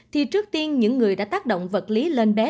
thì trước tiên những người đã tác động vật lý lên bé